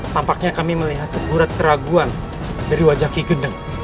tampaknya kami melihat seburat keraguan dari wajah kigeneng